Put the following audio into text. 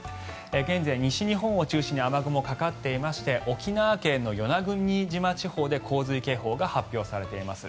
現在、西日本を中心に雨雲がかかっていまして沖縄県の与那国島地方で洪水警報が発表されています。